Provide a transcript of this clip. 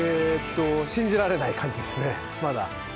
信じられない感じですね、まだ。